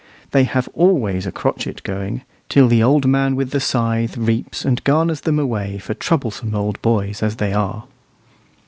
They have always a crotchet going, till the old man with the scythe reaps and garners them away for troublesome old boys as they are.